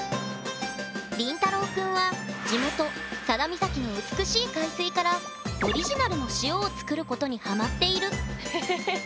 りんたろうくんは地元・佐田岬の美しい海水からオリジナルの塩を作ることにハマっている！